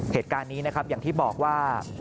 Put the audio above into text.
เหตุการณ์นี้นะครับอย่างที่บอกว่า